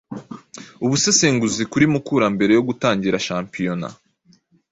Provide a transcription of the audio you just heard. ubusesenguzi kuri Mukura mbere yo gutangira shampiyona